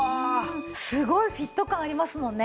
すごいフィット感ありますもんね。